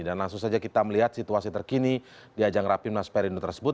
dan langsung saja kita melihat situasi terkini di ajang rapi unas perindo tersebut